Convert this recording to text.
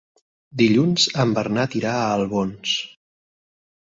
Dilluns en Bernat irà a Albons.